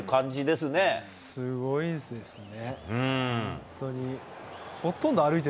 すごいですね。